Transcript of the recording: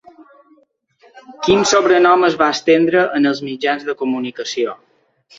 Quin sobrenom es va estendre en els mitjans de comunicació?